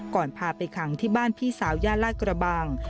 พาไปขังที่บ้านพี่สาวย่านลาดกระบัง